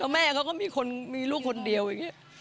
แม่เขาก็มีคนมีลูกคนเดียวอย่างนี้